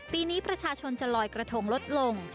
ปีนี้ประชาชนจะลอยกระทงลดลง